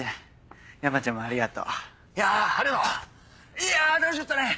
いや楽しかったね！